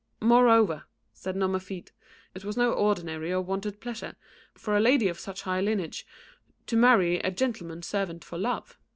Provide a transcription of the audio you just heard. "Moreover," said Nomerfide, "it was no ordinary or wonted pleasure for a lady of such high lineage to marry a gentleman servant for love.